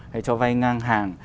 hay cho vai ngang hàng